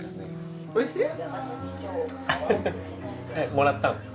もらったの？